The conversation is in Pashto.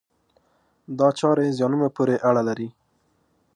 دا چارې زیانونو پورې اړه لري.